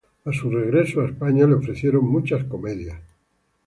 A su regreso a España le ofrecieron muchas comedias.